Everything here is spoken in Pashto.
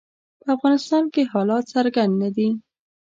په افغانستان کې حالات څرګند نه دي.